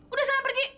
udah sana pergi